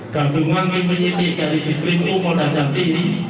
gandungan penyitik dari biprimu kondajati